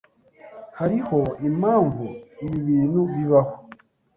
Hariho impamvu ibi bintu bibaho.